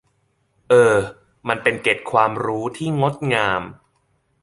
เออ มันเป็นเกร็ดความรู้ที่งดงาม